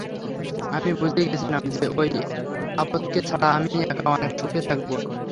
আমি বুঝে গেছিলাম যে ওই আপদকে ছাড়া আমি একা অনেক সুখে থাকবো!